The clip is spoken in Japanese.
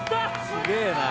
すげぇな。